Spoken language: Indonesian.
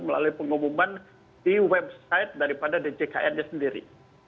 melalui pengumuman di website daripada djkn nya sendiri